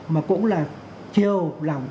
mà cũng là trêu lòng